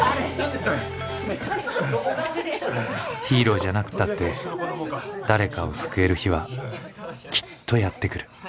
ヒーローじゃなくたって誰かを救える日はきっとやって来る。